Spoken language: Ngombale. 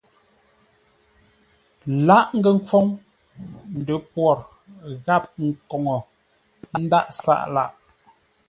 Lǎghʼ ngəkhwoŋ, ndəpwor gháp nkoŋə ndǎghʼ sáʼ lâʼ.